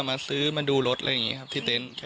ฟังเสียงลูกจ้างรัฐตรเนธค่ะ